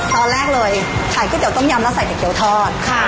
ตอนแรกเลยขายก๋วยเตี๋ต้มยำแล้วใส่ก๋วยเตี๋ยวทอด